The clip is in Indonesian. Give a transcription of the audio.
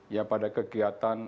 ya pada kegiatan